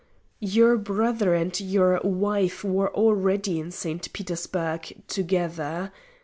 Your brother and your wife were already in St. Petersburg together.